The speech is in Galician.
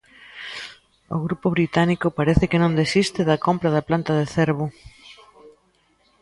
O grupo británico parece que non desiste da compra da planta de Cervo.